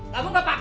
kamu gak pakai